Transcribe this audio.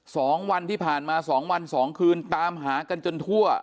สองวันที่ผ่านมาสองวันสองคืนตามหากันจนทั่ว